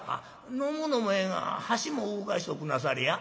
「飲むのもええが箸も動かしておくんなされや。